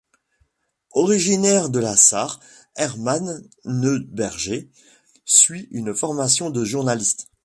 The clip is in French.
Originaire de la Sarre, Hermann Neuberger suit une formation de journaliste.